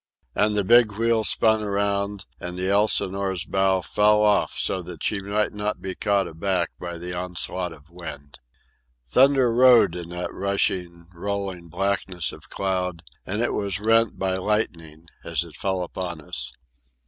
And the big wheel spun around, and the Elsinore's bow fell off so that she might not be caught aback by the onslaught of wind. Thunder rode in that rushing, rolling blackness of cloud; and it was rent by lightning as it fell upon us.